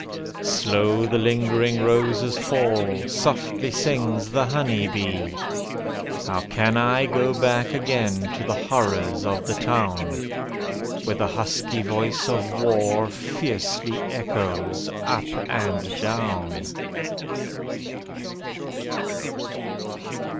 Slow the lingering roses fall, softly sings the honey bee. How can I go back again to the horrors of the town. Where the husky voice of war fiercely echoes up and down?